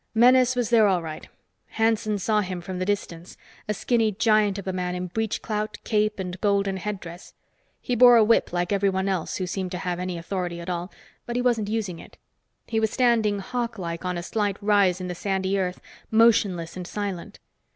Menes was there, all right. Hanson saw him from the distance, a skinny giant of a man in breechclout, cape and golden headdress. He bore a whip like everyone else who seemed to have any authority at all, but he wasn't using it. He was standing hawklike on a slight rise in the sandy earth, motionless and silent.